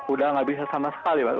udah nggak bisa sama sekali mas